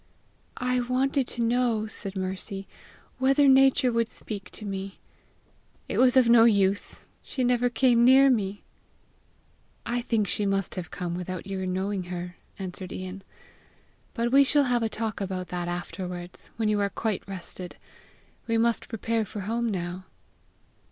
"I wanted to know," said Mercy, "whether Nature would speak to me. It was of no use! She never came near me!" "I think she must have come without your knowing her," answered Ian. "But we shall have a talk about that afterwards, when you are quite rested; we must prepare for home now."